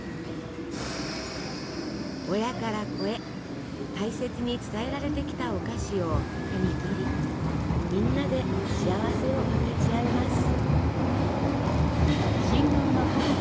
親から子へ大切に伝えられてきたお菓子を手に取りみんなで幸せを分かち合います。